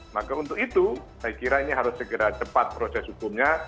maka untuk itu saya kira ini harus segera cepat proses hukumnya